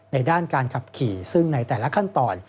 ด้านการขับขี่ซึ่งในแต่ละขั้นตอน